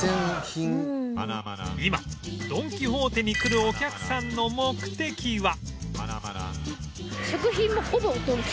今ドン・キホーテに来るお客さんの目的は